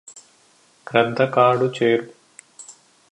గ్రద్ద కాడు చేరు